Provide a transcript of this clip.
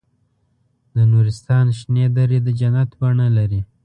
د نورستان شنې درې د جنت بڼه لري.